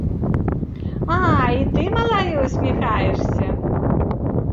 А, і ты, малая, усміхаешся!